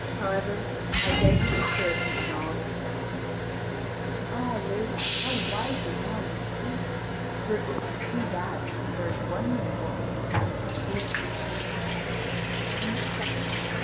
However, I beg you to serve him in all respects." "Ah, lady, how wisely now you speak! For it would be too bad to convert one misfortune into two." (Vv. 3131 3254.)